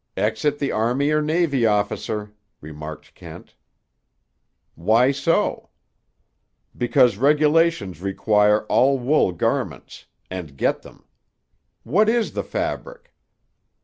"Exit the army or navy officer," remarked Kent. "Why so?" "Because regulations require all wool garments—and get them. What is the fabric?"